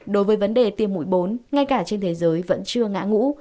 đối với vấn đề tiêm mũi bốn ngay cả trên thế giới vẫn chưa ngã ngũ